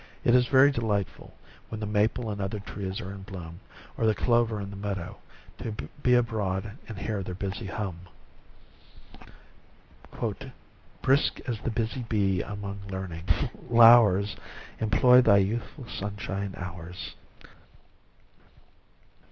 It is very delightful, when the maple and other trees are in bloom, or the clover in the meadows, to be abroad and hear their busy hum. " Brisk as the busy bee among learning'* flowers, Employ thy youthful sunshine hours."